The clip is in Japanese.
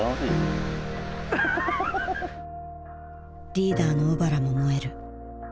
リーダーの小原も燃える。